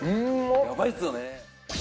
ヤバいっすよね。